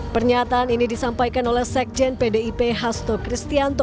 pernyataan ini disampaikan oleh sekjen pdip hasto kristianto